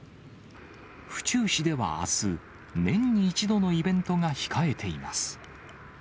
府中市ではあす、年に１度のイベントが控えています。